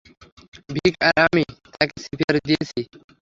ভিক আর আমি তাকে সিপিআর দিয়েছি।